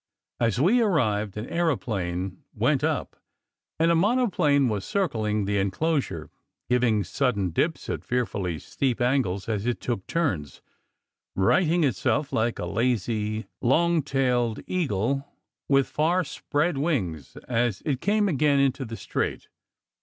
As we arrived, an aeroplane went up, and a monoplane was circling the enclosure, giving sudden dips at fearfully steep angles as it took the turns, righting itself like a lazy, long tailed eagle with far spread wings as it came again into the straight.